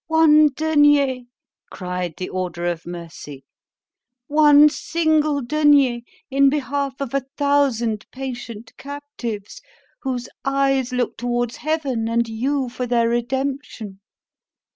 One denier, cried the order of mercy—one single denier, in behalf of a thousand patient captives, whose eyes look towards heaven and you for their redemption.